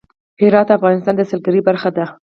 هرات د افغانستان د سیلګرۍ برخه ده.